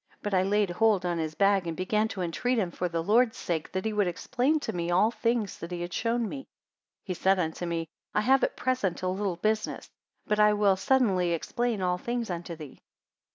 But I laid hold on his bag, and began to entreat him for the Lord's sake, that he would explain to me all things that he had shown me. 92 He said unto me, I have at present a little business; but I will suddenly explain all things unto thee.